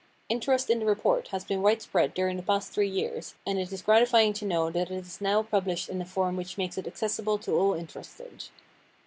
Interest in the report has been widespread during the past three years, and it is gratifying to know that it is now published in a form which makes it accessible to all interested.